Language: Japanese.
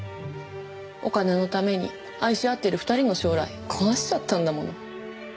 お金のために愛し合ってる２人の将来壊しちゃったんだもの。